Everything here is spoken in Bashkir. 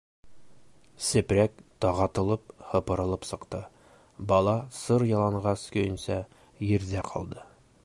Сепрәк тағатылып һыпырылып сыҡты, бала сыр яланғас көйөнсә ерҙә ҡалды.